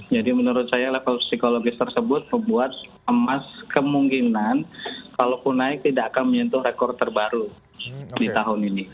jadi menurut saya level psikologis tersebut membuat emas kemungkinan kalau pun naik tidak akan menyentuh rekor terbaru di tahun ini